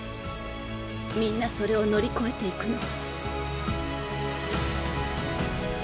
みんなそれを乗り越えていくの。